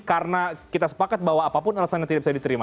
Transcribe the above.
karena kita sepakat bahwa apapun alasan yang tidak bisa diterima